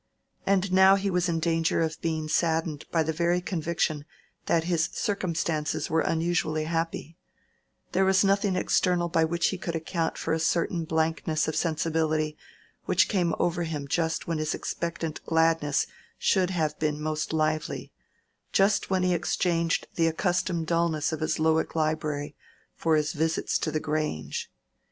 And now he was in danger of being saddened by the very conviction that his circumstances were unusually happy: there was nothing external by which he could account for a certain blankness of sensibility which came over him just when his expectant gladness should have been most lively, just when he exchanged the accustomed dulness of his Lowick library for his visits to the Grange.